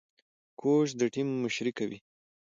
کوچ د ټيم مشري کوي.